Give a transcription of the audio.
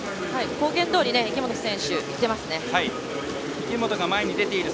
公言どおり池本選手いっていますね。